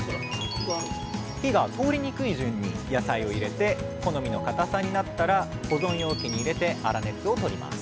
火が通りにくい順に野菜を入れて好みの硬さになったら保存容器に入れて粗熱をとります